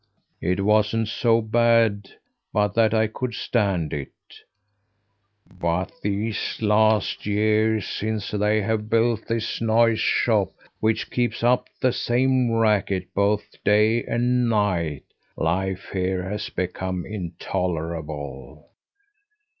It wasn't so bad but that I could stand it; but these last years, since they have built this noise shop, which keeps up the same racket both day and night, life here has become intolerable.